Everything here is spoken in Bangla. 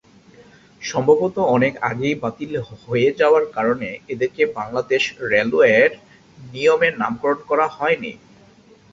সম্ভবত অনেক আগেই বাতিল হয়ে যাওয়ার কারণে এদেরকে বাংলাদেশ রেলওয়ের নিয়মে নামকরণ করা হয়নি।